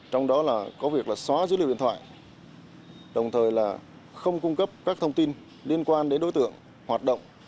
trong đó là có việc là xóa dữ liệu điện thoại đồng thời là không cung cấp các thông tin liên quan đến đối tượng hoạt động